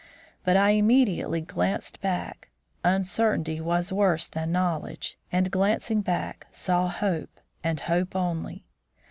But I immediately glanced back; uncertainty was worse than knowledge; and, glancing back, saw Hope, and Hope only.